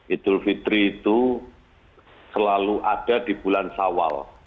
idul fitri itu selalu ada di bulan sawal